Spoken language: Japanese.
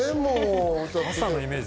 朝のイメージ